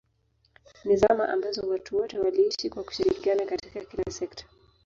ni zama ambazo watu wote waliishi kwa kushirikiana katika kila sekta